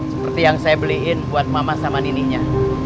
seperti yang saya beliin buat mama sama nininya